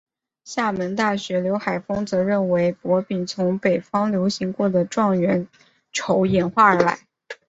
厦门大学刘海峰则认为博饼从北方流行过的状元筹演化而来。